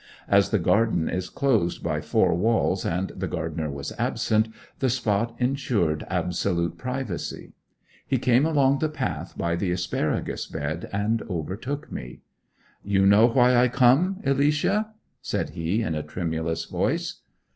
As the garden is closed by four walls and the gardener was absent, the spot ensured absolute privacy. He came along the path by the asparagus bed, and overtook me. 'You know why I come, Alicia?' said he, in a tremulous voice.